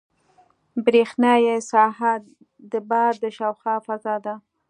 برېښنایي ساحه د بار د شاوخوا فضا ده.